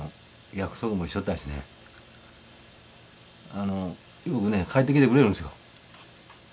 あのよくね帰ってきてくれるんですよ。